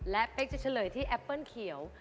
และเป๊กจะเฉลยที่แอปเปิ้ลเขียว